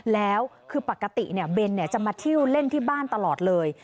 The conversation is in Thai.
แล้วคือปกติเบนจะมาเที่ยวเล่นที่บ้านตลอดเลย